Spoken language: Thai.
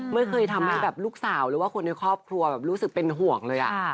ไม่เคยทำให้แบบลูกสาวหรือว่าคนในครอบครัวแบบรู้สึกเป็นห่วงเลย